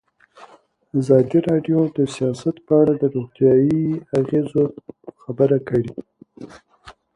ازادي راډیو د سیاست په اړه د روغتیایي اغېزو خبره کړې.